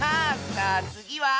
さあつぎは？